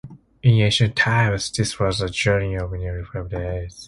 In ancient times this was a journey of nearly five days.